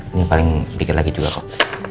ini paling sedikit lagi juga kok